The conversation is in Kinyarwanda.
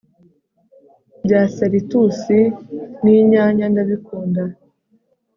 bya salitusi ninyanya ndabikunda